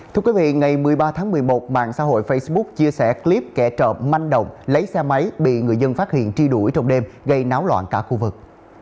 thưa quý vị ngày một mươi ba tháng một mươi một mạng xã hội facebook chia sẻ clip kẻ trộm manh động lấy xe máy bị người dân phát hiện tri đuổi trong đêm gây náo loạn cả khu vực